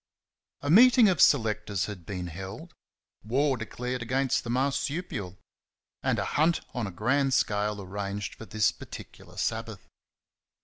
A meeting of selectors had been held; war declared against the marsupial; and a hunt on a grand scale arranged for this particular Sabbath.